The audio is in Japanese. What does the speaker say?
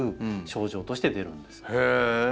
へえ！